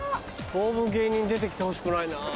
当分芸人出てきてほしくないな。